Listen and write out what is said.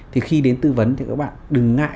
thì khi đến tư vấn thì các bạn đừng ngại